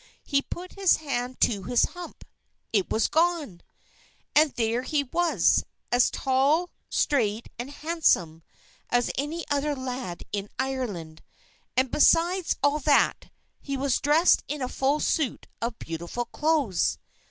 He put his hand to his hump. It was gone! And there he was, as tall, straight, and handsome as any other lad in Ireland. And, besides all that, he was dressed in a full suit of beautiful clothes.